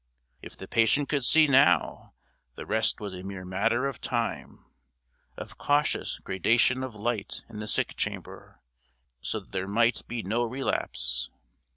If the patient could see now, the rest was a mere matter of time, of cautious gradation of light in the sick chamber, so that there might be no relapse.